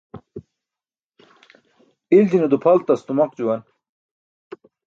Iljine dupʰaltas tumaq juwan.